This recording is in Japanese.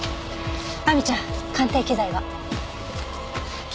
亜美ちゃん鑑定機材は？